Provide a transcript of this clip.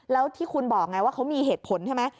แล้วที่คุณบอกไงว่าเขามีเหตุผลใช่ไหม